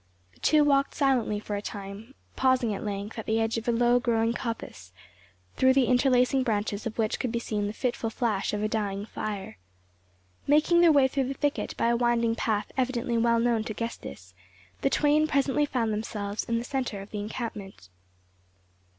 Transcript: The two walked silently for a time, pausing at length at the edge of a low growing coppice, through the interlacing branches of which could be seen the fitful flash of a dying fire. Making their way through the thicket by a winding path evidently well known to Gestas, the twain presently found themselves in the centre of the encampment.